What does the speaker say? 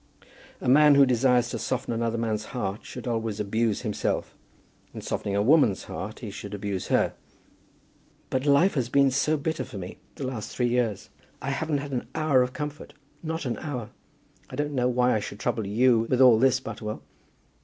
A man who desires to soften another man's heart, should always abuse himself. In softening a woman's heart, he should abuse her. "But life has been so bitter with me for the last three years! I haven't had an hour of comfort; not an hour. I don't know why I should trouble you with all this, Butterwell.